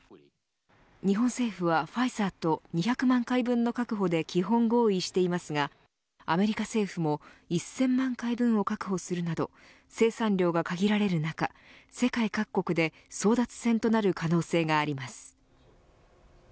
日本政府はファイザーと２００万回分の確保で基本合意していますがアメリカ政府も１０００万回分を確保するなど生産量が限られる中世界各国で争奪戦となる可能性があります。